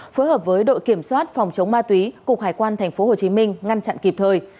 phối hợp với đội kiểm soát phòng chống ma túy cục hải quan tp hcm ngăn chặn kịp thời